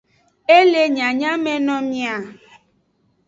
E le nyanyameno mia.